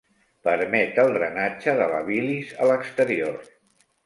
Permet el drenatge de la bilis a l’exterior.